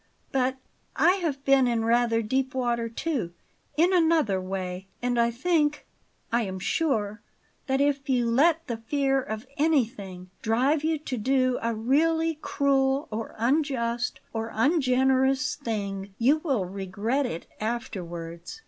But I have been in rather deep water too, in another way; and I think I am sure that if you let the fear of anything drive you to do a really cruel or unjust or ungenerous thing, you will regret it afterwards.